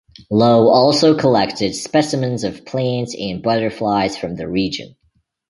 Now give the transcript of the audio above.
Low also collected specimens of plants and butterflies from the region.